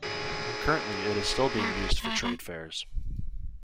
Currently it is still being used for trade fairs.